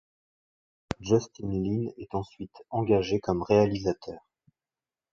Justin Lin est ensuite engagé comme réalisateur.